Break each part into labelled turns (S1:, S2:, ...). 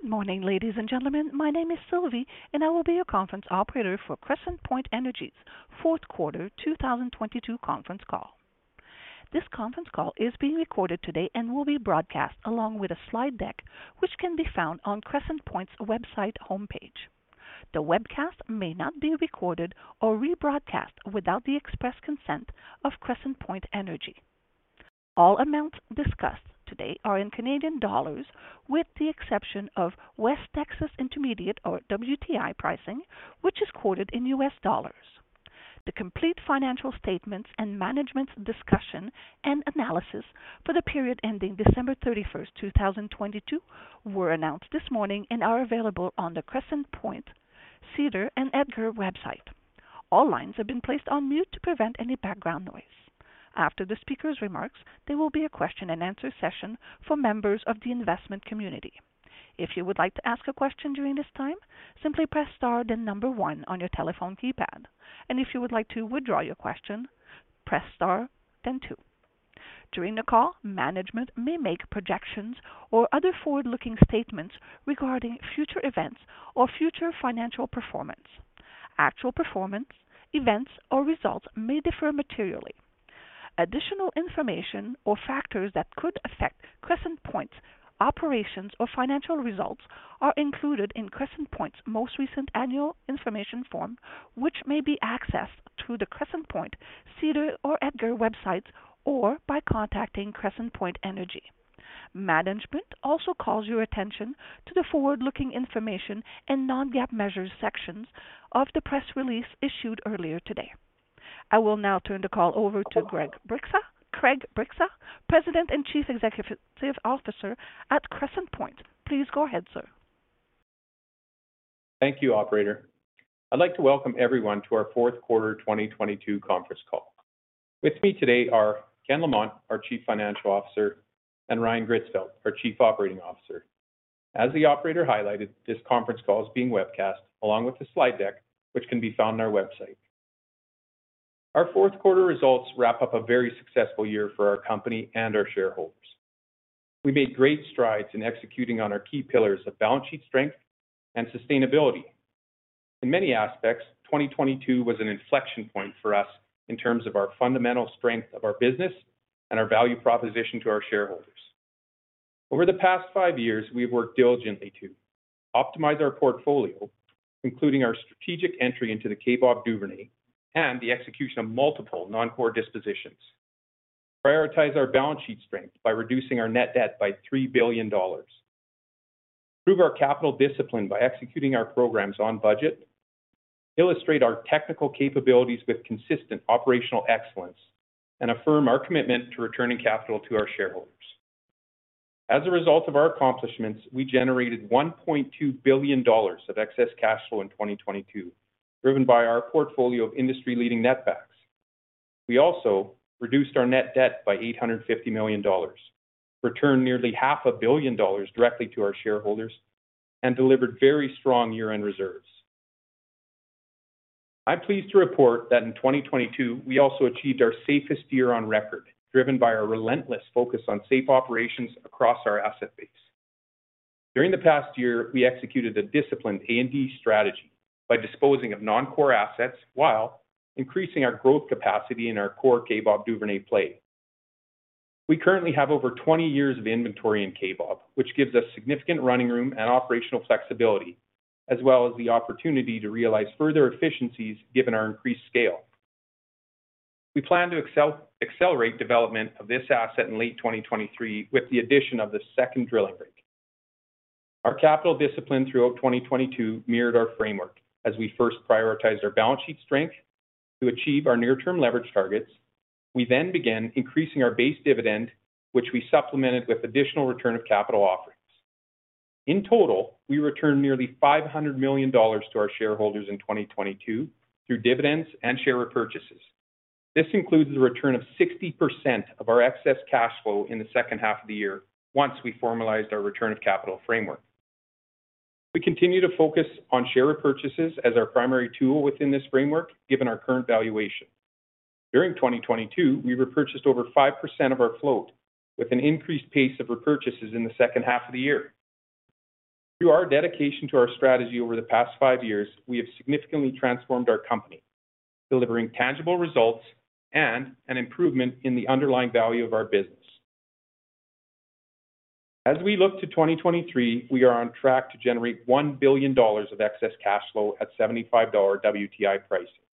S1: Good morning, ladies and gentlemen. My name is Sylvie, and I will be your conference operator for Crescent Point Energy's fourth quarter 2022 conference call. This conference call is being recorded today and will be broadcast along with a slide deck, which can be found on Crescent Point's website homepage. The webcast may not be recorded or rebroadcast without the express consent of Crescent Point Energy. All amounts discussed today are in Canadian dollars, with the exception of West Texas Intermediate or WTI pricing, which is quoted in US dollars. The complete financial statements and management's discussion and analysis for the period ending December 31st, 2022 were announced this morning and are available on the Crescent Point, SEDAR, and EDGAR website. All lines have been placed on mute to prevent any background noise. After the speaker's remarks, there will be a question-and-answer session for members of the investment community. If you would like to ask a question during this time, simply press star then number one on your telephone keypad. If you would like to withdraw your question, press star then two. During the call, management may make projections or other forward-looking statements regarding future events or future financial performance. Actual performance, events, or results may differ materially. Additional information or factors that could affect Crescent Point's operations or financial results are included in Crescent Point's most recent annual information form, which may be accessed through the Crescent Point, SEDAR, or EDGAR websites, or by contacting Crescent Point Energy. Management also calls your attention to the forward-looking information and non-GAAP measures sections of the press release issued earlier today. I will now turn the call over to Craig Bryksa, President and Chief Executive Officer at Crescent Point. Please go ahead, sir.
S2: Thank you, operator. I'd like to welcome everyone to our fourth quarter 2022 conference call. With me today are Ken Lamont, our Chief Financial Officer, and Ryan Gritzfeldt, our Chief Operating Officer. As the operator highlighted, this conference call is being webcast along with the slide deck, which can be found on our website. Our fourth quarter results wrap up a very successful year for our company and our shareholders. We made great strides in executing on our key pillars of balance sheet strength and sustainability. In many aspects, 2022 was an inflection point for us in terms of our fundamental strength of our business and our value proposition to our shareholders. Over the past five years, we have worked diligently to optimize our portfolio, including our strategic entry into the Kaybob Duvernay and the execution of multiple non-core dispositions. Prioritize our balance sheet strength by reducing our net debt by 3 billion dollars. Prove our capital discipline by executing our programs on budget. Illustrate our technical capabilities with consistent operational excellence. Affirm our commitment to returning capital to our shareholders. As a result of our accomplishments, we generated 1.2 billion dollars of excess cash flow in 2022, driven by our portfolio of industry-leading netbacks. We also reduced our net debt by 850 million dollars, returned nearly half a billion dollars directly to our shareholders, and delivered very strong year-end reserves. I'm pleased to report that in 2022, we also achieved our safest year on record, driven by our relentless focus on safe operations across our asset base. During the past year, we executed a disciplined A&D strategy by disposing of non-core assets while increasing our growth capacity in our core Kaybob Duvernay play. We currently have over 20 years of inventory in Kaybob, which gives us significant running room and operational flexibility, as well as the opportunity to realize further efficiencies given our increased scale. We plan to accelerate development of this asset in late 2023 with the addition of the second drilling rig. Our capital discipline throughout 2022 mirrored our framework as we first prioritized our balance sheet strength to achieve our near-term leverage targets. We then began increasing our base dividend, which we supplemented with additional return of capital offerings. In total, we returned nearly 500 million dollars to our shareholders in 2022 through dividends and share repurchases. This includes a return of 60% of our excess cash flow in the second half of the year once we formalized our return of capital framework. We continue to focus on share repurchases as our primary tool within this framework given our current valuation. During 2022, we repurchased over 5% of our float with an increased pace of repurchases in the second half of the year. Through our dedication to our strategy over the past five years, we have significantly transformed our company, delivering tangible results and an improvement in the underlying value of our business. As we look to 2023, we are on track to generate 1 billion dollars of excess cash flow at $75/bbl WTI pricing,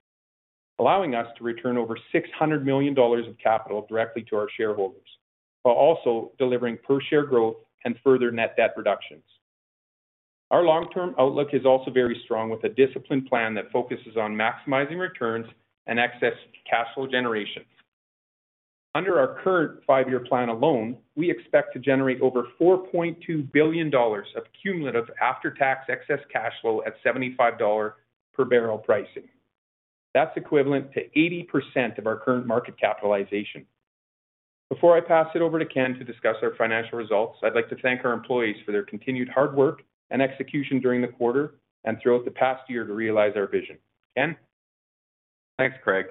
S2: allowing us to return over 600 million dollars of capital directly to our shareholders while also delivering per share growth and further net debt reductions. Our long-term outlook is also very strong with a disciplined plan that focuses on maximizing returns and excess cash flow generation. Under our current five-year plan alone, we expect to generate over 4.2 billion dollars of cumulative after-tax excess cash flow at $75/bbl pricing. That's equivalent to 80% of our current market capitalization. Before I pass it over to Ken to discuss our financial results, I'd like to thank our employees for their continued hard work and execution during the quarter and throughout the past year to realize our vision. Ken?
S3: Thanks, Craig.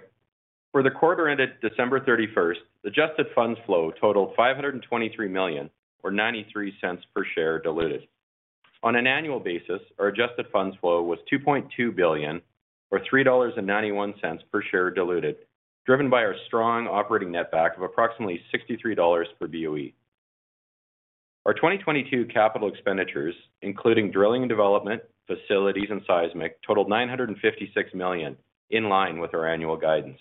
S3: For the quarter ended December 31st, adjusted funds flow totaled 523 million or 0.93 per share diluted. On an annual basis, our adjusted funds flow was 2.2 billion or 3.91 dollars per share diluted, driven by our strong operating netback of approximately 63 dollars/boe. Our 2022 capital expenditures, including drilling and development, facilities and seismic, totaled 956 million, in line with our annual guidance.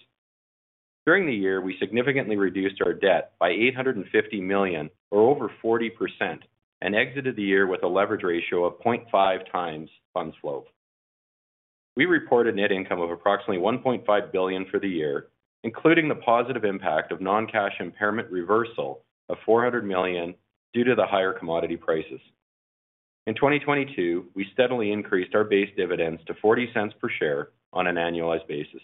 S3: During the year, we significantly reduced our debt by 850 million or over 40% and exited the year with a leverage ratio of 0.5x funds flow. We reported net income of approximately 1.5 billion for the year, including the positive impact of non-cash impairment reversal of 400 million due to the higher commodity prices. In 2022, we steadily increased our base dividend to 0.40 per share on an annualized basis.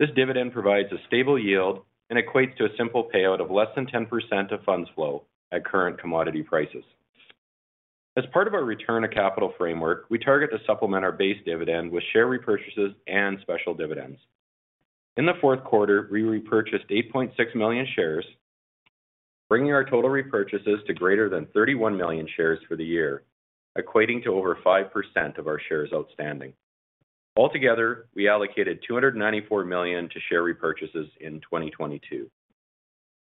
S3: This dividend provides a stable yield and equates to a simple payout of less than 10% of funds flow at current commodity prices. As part of our return of capital framework, we target to supplement our base dividend with share repurchases and special dividends. In the fourth quarter, we repurchased 8.6 million shares, bringing our total repurchases to greater than 31 million shares for the year, equating to over 5% of our shares outstanding. Altogether, we allocated 294 million to share repurchases in 2022.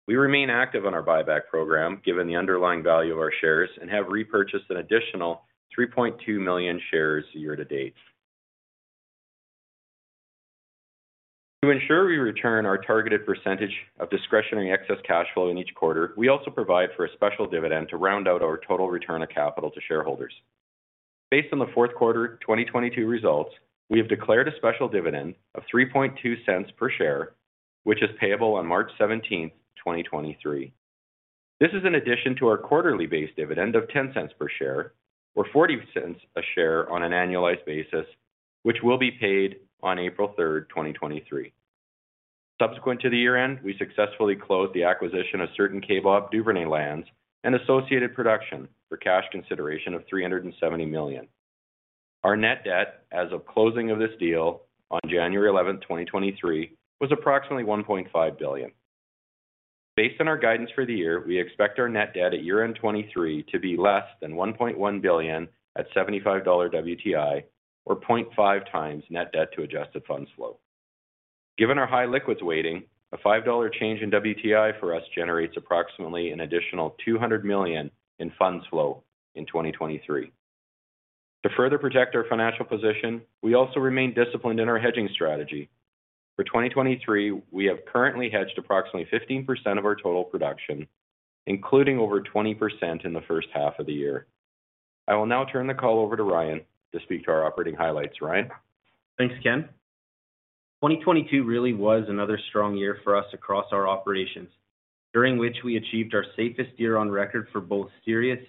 S3: We remain active on our buyback program given the underlying value of our shares and have repurchased an additional 3.2 million shares year to date. To ensure we return our targeted percentage of discretionary excess cash flow in each quarter, we also provide for a special dividend to round out our total return of capital to shareholders. Based on the fourth quarter 2022 results, we have declared a special dividend of 0.032 per share, which is payable on March 17th, 2023. This is in addition to our quarterly base dividend of 0.10 per share or 0.40 a share on an annualized basis, which will be paid on April 3rd, 2023. Subsequent to the year-end, we successfully closed the acquisition of certain Kaybob Duvernay lands and associated production for cash consideration of 370 million. Our net debt as of closing of this deal on January 11th, 2023, was approximately 1.5 billion. Based on our guidance for the year, we expect our net debt at year-end 2023 to be less than 1.1 billion at $75/bbl WTI or 0.5x net debt-to-adjusted funds flow. Given our high liquids weighting, a $5/bbl change in WTI for us generates approximately an additional 200 million in funds flow in 2023. To further protect our financial position, we also remain disciplined in our hedging strategy. For 2023, we have currently hedged approximately 15% of our total production, including over 20% in the first half of the year. I will now turn the call over to Ryan to speak to our operating highlights. Ryan?
S4: Thanks, Ken. 2022 really was another strong year for us across our operations, during which we achieved our safest year on record for both serious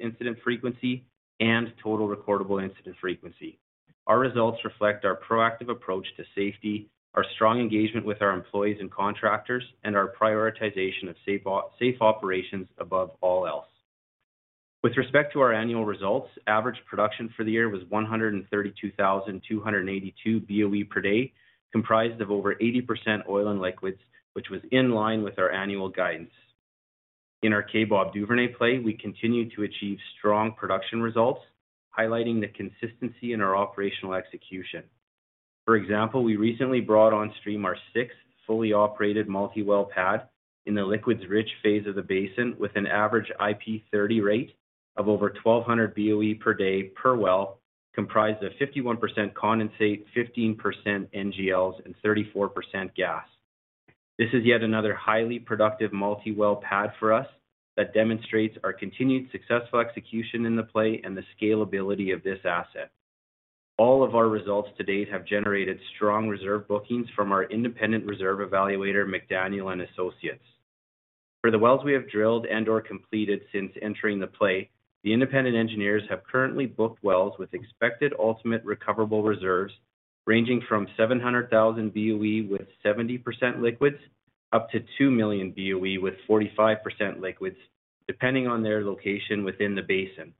S4: incident frequency and total recordable incident frequency. Our results reflect our proactive approach to safety, our strong engagement with our employees and contractors, and our prioritization of safe operations above all else. With respect to our annual results, average production for the year was 132,282 boe/d, comprised of over 80% oil and liquids, which was in line with our annual guidance. In our Kaybob Duvernay play, we continued to achieve strong production results, highlighting the consistency in our operational execution. For example, we recently brought on stream our sixth fully operated multi-well pad in the liquids-rich phase of the basin with an average IP30 rate of over 1,200 boe/d per well, comprised of 51% condensate, 15% NGLs, and 34% gas. This is yet another highly productive multi-well pad for us that demonstrates our continued successful execution in the play and the scalability of this asset. All of our results to date have generated strong reserve bookings from our independent reserve evaluator, McDaniel & Associates. For the wells we have drilled and/or completed since entering the play, the independent engineers have currently booked wells with expected ultimate recoverable reserves ranging from 700,000 BOE with 70% liquids up to 2 MMboe with 45% liquids, depending on their location within the basin.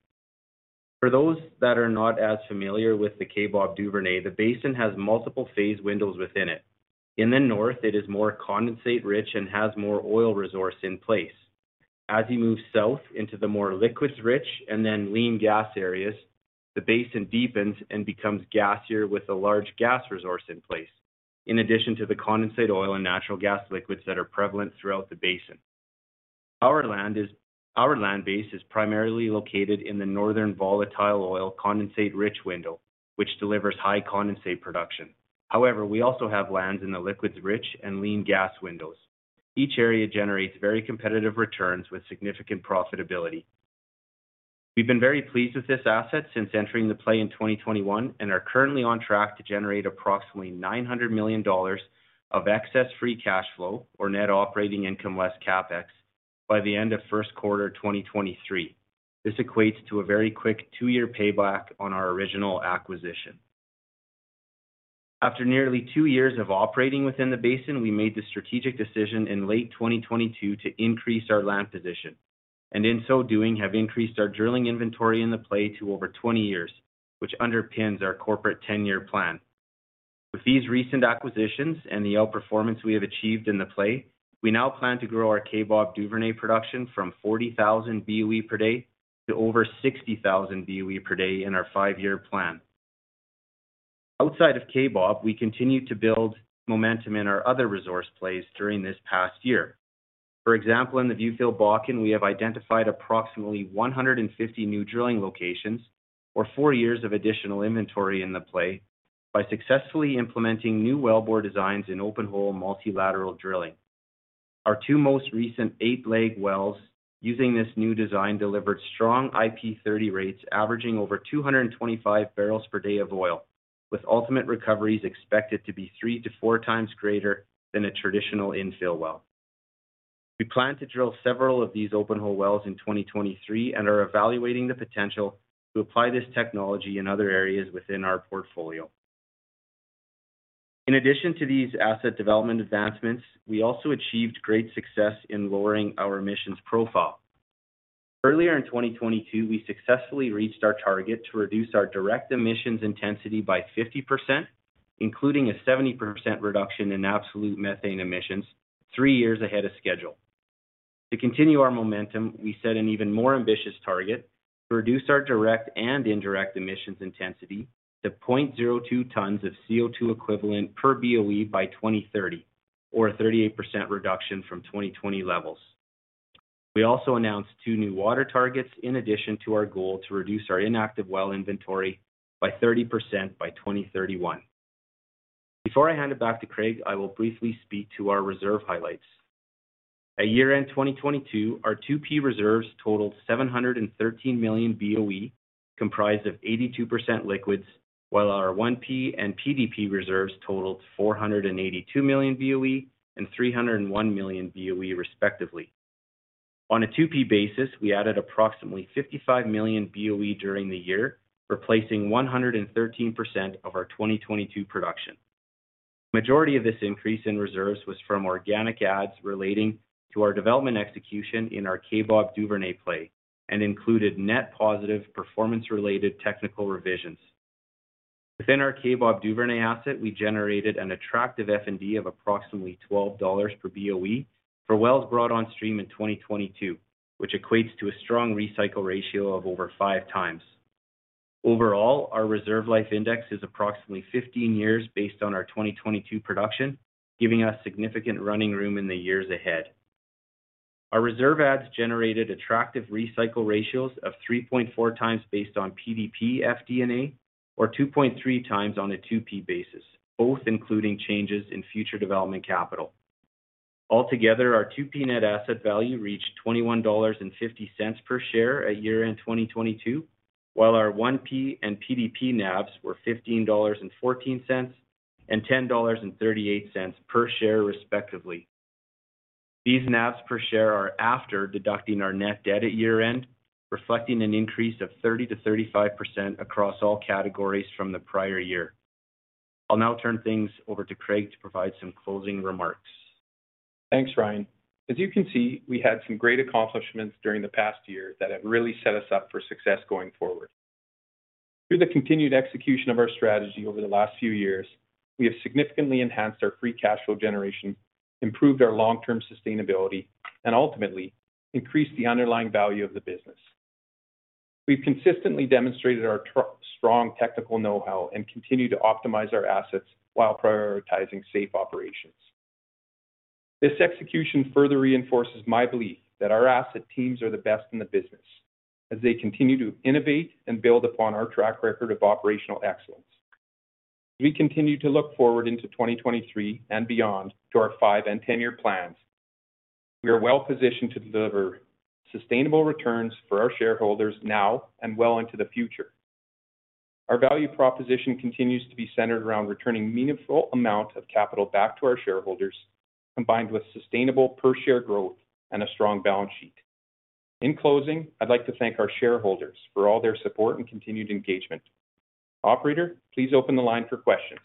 S4: For those that are not as familiar with the Kaybob Duvernay, the basin has multiple phase windows within it. In the north, it is more condensate rich and has more oil resource in place. As you move south into the more liquids rich and then lean gas areas, the basin deepens and becomes gassier with a large gas resource in place, in addition to the condensate oil and natural gas liquids that are prevalent throughout the basin. Our land base is primarily located in the northern volatile oil condensate rich window, which delivers high condensate production. However, we also have lands in the liquids rich and lean gas windows. Each area generates very competitive returns with significant profitability. We've been very pleased with this asset since entering the play in 2021 and are currently on track to generate approximately $900 million of excess free cash flow or net operating income less CapEx by the end of first quarter 2023. This equates to a very quick two-year payback on our original acquisition. After nearly two years of operating within the basin, we made the strategic decision in late 2022 to increase our land position. In so doing, have increased our drilling inventory in the play to over 20 years, which underpins our corporate 10-year plan. With these recent acquisitions and the outperformance we have achieved in the play, we now plan to grow our Kaybob Duvernay production from 40,000 boe/dy to over 60,000 boe/d in our five-year plan. Outside of Kaybob, we continue to build momentum in our other resource plays during this past year. For example, in the Viewfield Bakken, we have identified approximately 150 new drilling locations or four years of additional inventory in the play by successfully implementing new wellbore designs in open-hole multilateral drilling. Our two most recent eight-leg wells using this new design delivered strong IP30 rates averaging over 225 bbl/d of oil, with ultimate recoveries expected to be 3.4x greater than a traditional infill well. We plan to drill several of these open hole wells in 2023 and are evaluating the potential to apply this technology in other areas within our portfolio. In addition to these asset development advancements, we also achieved great success in lowering our emissions profile. Earlier in 2022, we successfully reached our target to reduce our direct emissions intensity by 50%, including a 70% reduction in absolute methane emissions three years ahead of schedule. To continue our momentum, we set an even more ambitious target to reduce our direct and indirect emissions intensity to 0.02 tons of CO₂e/boe by 2030 or a 38% reduction from 2020 levels. We also announced two new water targets in addition to our goal to reduce our inactive well inventory by 30% by 2031. Before I hand it back to Craig, I will briefly speak to our reserve highlights. At year-end 2022, our 2P reserves totaled 713 MMboe, comprised of 82% liquids, while our 1P and PDP reserves totaled 482 MMboe and 301 MMboe, respectively. On a 2P basis, we added approximately 55 MMboe during the year, replacing 113% of our 2022 production. Majority of this increase in reserves was from organic adds relating to our development execution in our Kaybob Duvernay play and included net positive performance-related technical revisions. Within our Kaybob Duvernay asset, we generated an attractive F&D of approximately 12 dollars/boe for wells brought on stream in 2022, which equates to a strong recycle ratio of over 5x. Overall, our reserve life index is approximately 15 years based on our 2022 production, giving us significant running room in the years ahead. Our reserve adds generated attractive recycle ratios of 3.4x based on PDP FD&A or 2.3x on a 2P basis, both including changes in future development capital. Altogether, our 2P net asset value reached 21.50 dollars per share at year-end 2022, while our 1P and PDP NAVs were 15.14 dollars and 10.38 dollars per share, respectively. These NAVs per share are after deducting our net debt at year-end, reflecting an increase of 30%-35% across all categories from the prior year. I'll now turn things over to Craig to provide some closing remarks.
S2: Thanks, Ryan. As you can see, we had some great accomplishments during the past year that have really set us up for success going forward. Through the continued execution of our strategy over the last few years, we have significantly enhanced our free cash flow generation, improved our long-term sustainability, and ultimately increased the underlying value of the business. We've consistently demonstrated our strong technical know-how and continue to optimize our assets while prioritizing safe operations. This execution further reinforces my belief that our asset teams are the best in the business as they continue to innovate and build upon our track record of operational excellence. As we continue to look forward into 2023 and beyond to our five and 10-year plans, we are well-positioned to deliver sustainable returns for our shareholders now and well into the future. Our value proposition continues to be centered around returning meaningful amount of capital back to our shareholders, combined with sustainable per share growth and a strong balance sheet. In closing, I'd like to thank our shareholders for all their support and continued engagement. Operator, please open the line for questions.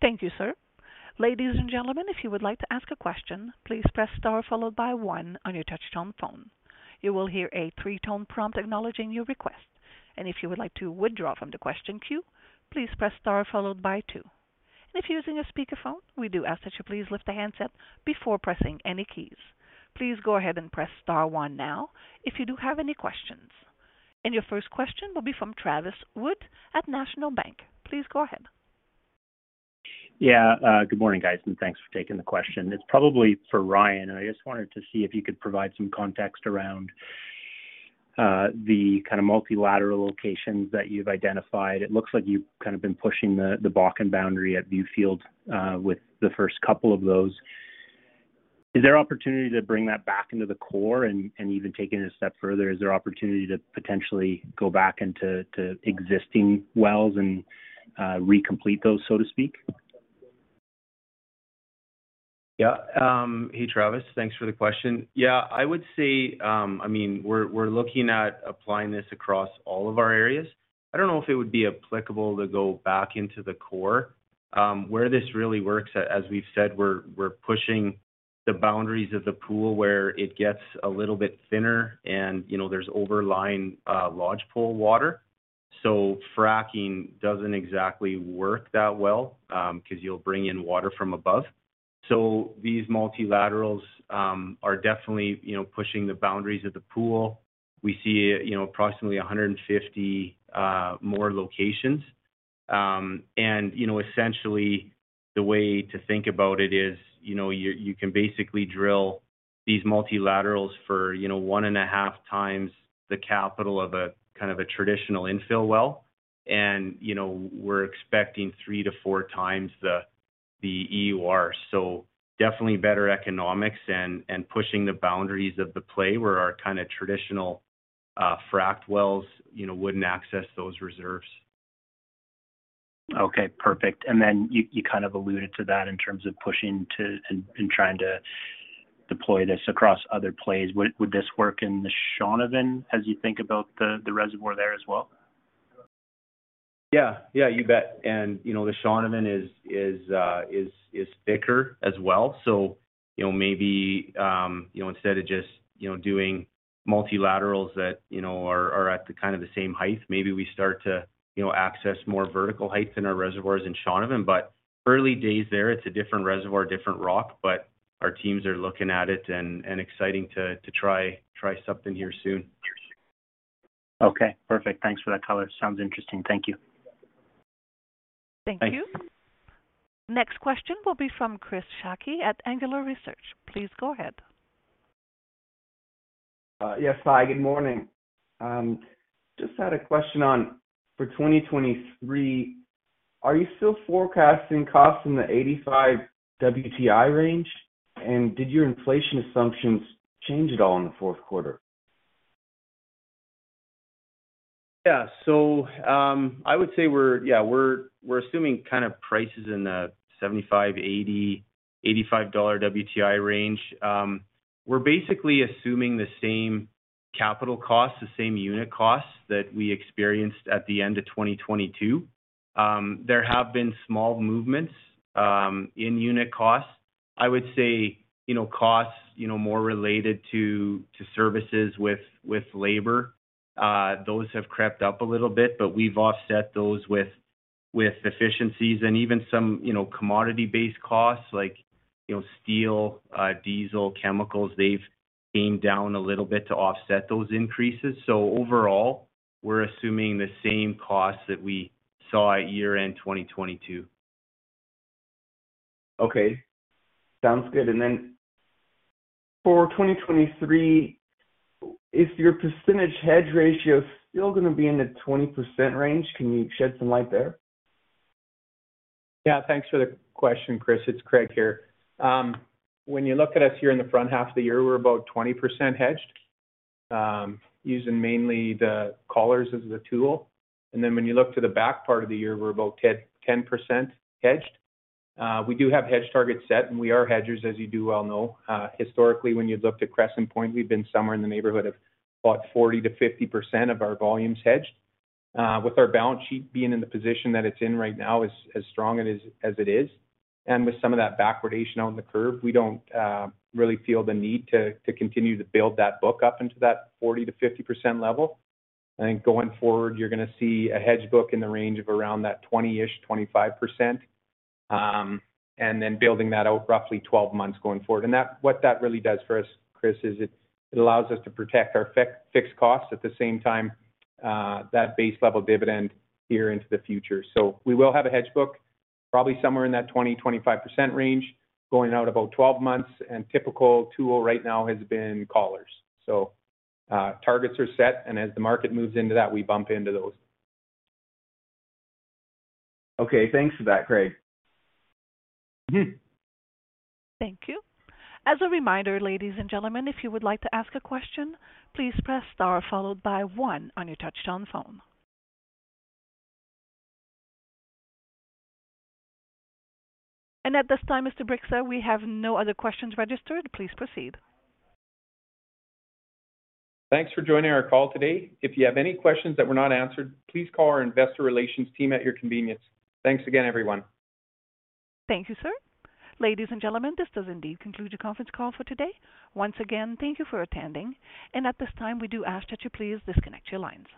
S1: Thank you, sir. Ladies and gentlemen, if you would like to ask a question, please press star followed by one on your touchtone phone. You will hear a three-tone prompt acknowledging your request. If you would like to withdraw from the question queue, please press star followed by two. If you're using a speakerphone, we do ask that you please lift the handset before pressing any keys. Please go ahead and press star one now if you do have any questions. Your first question will be from Travis Wood at National Bank. Please go ahead.
S5: Yeah. Good morning, guys, and thanks for taking the question. It's probably for Ryan, and I just wanted to see if you could provide some context around the kind of multilateral locations that you've identified. It looks like you've kind of been pushing the Bakken boundary at Viewfield, with the first couple of those. Is there opportunity to bring that back into the core and even take it a step further? Is there opportunity to potentially go back into existing wells and recomplete those, so to speak?
S4: Yeah. Hey, Travis. Thanks for the question. Yeah, I would say, I mean, we're looking at applying this across all of our areas. I don't know if it would be applicable to go back into the core Where this really works, as we've said, we're pushing the boundaries of the pool where it gets a little bit thinner and, you know, there's overlying Lodgepole water. Fracking doesn't exactly work that well 'cause you'll bring in water from above. These multilaterals are definitely, you know, pushing the boundaries of the pool. We see, you know, approximately 150 more locations. Essentially the way to think about it is, you know, you can basically drill these multilaterals for, you know, 1.5x the capital of a kind of a traditional infill well. We're expecting 3x-4x the EUR. Definitely better economics and pushing the boundaries of the play where our kind of traditional fracked wells, you know, wouldn't access those reserves.
S5: Okay, perfect. Then you kind of alluded to that in terms of pushing to in trying to deploy this across other plays. Would this work in the Shaunavon as you think about the reservoir there as well?
S4: Yeah. Yeah, you bet. You know, the Shaunavon is thicker as well. You know, maybe, you know, instead of just, you know, doing multilaterals that, you know, are at the kind of the same height, maybe we start to, you know, access more vertical height in our reservoirs in Shaunavon. Early days there, it's a different reservoir, different rock. But, our teams are looking at it and exciting to try something here soon.
S5: Okay, perfect. Thanks for that color. Sounds interesting. Thank you.
S1: Thank you.
S5: Thanks.
S1: Next question will be from Chris Sakai at Singular Research. Please go ahead.
S6: Yes. Hi, good morning. Just had a question on for 2023, are you still forecasting costs in the $85/bbl WTI range? Did your inflation assumptions change at all in the fourth quarter?
S4: I would say we're assuming kind of prices in the $75/bbl, $80/bbl, $85/bbl WTI range. We're basically assuming the same capital costs, the same unit costs that we experienced at the end of 2022. There have been small movements in unit costs. I would say, you know, costs, you know, more related to services with labor, those have crept up a little bit, but we've offset those with efficiencies and even some, you know, commodity-based costs like, you know, steel, diesel, chemicals. They've came down a little bit to offset those increases. Overall, we're assuming the same costs that we saw at year-end 2022.
S6: Okay. Sounds good. For 2023, is your percentage hedge ratio still going to be in the 20% range? Can you shed some light there?
S2: Yeah, thanks for the question, Chris. It's Craig here. When you look at us here in the front half of the year, we're about 20% hedged, using mainly the collars as the tool. When you look to the back part of the year, we're about 10% hedged. We do have hedge targets set, and we are hedgers, as you do well know. Historically, when you looked at Crescent Point, we've been somewhere in the neighborhood of about 40%-50% of our volumes hedged. With our balance sheet being in the position that it's in right now, as strong as it is, and with some of that backwardation out in the curve, we don't really feel the need to continue to build that book up into that 40%-50% level. I think going forward, you're gonna see a hedge book in the range of around that 20%-25%, and then building that out roughly 12 months going forward. What that really does for us, Chris, is it allows us to protect our fixed costs at the same time, that base level dividend year into the future. We will have a hedge book probably somewhere in that 20%-25% range, going out about 12 months. Typical tool right now has been collars. Targets are set, and as the market moves into that, we bump into those.
S6: Okay. Thanks for that, Craig.
S1: Thank you. As a reminder, ladies and gentlemen, if you would like to ask a question, please press star followed by one on your touch-tone phone. At this time, Mr. Bryksa, we have no other questions registered. Please proceed.
S2: Thanks for joining our call today. If you have any questions that were not answered, please call our investor relations team at your convenience. Thanks again, everyone.
S1: Thank you, sir. Ladies and gentlemen, this does indeed conclude the conference call for today. Once again, thank you for attending. At this time, we do ask that you please disconnect your lines.